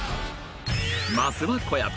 まずは小籔